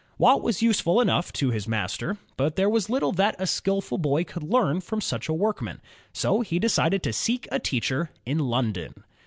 Watt was useful enough to his master, but there was little that a skillful boy could learn from such a workman. So he decided to seek a teacher in London.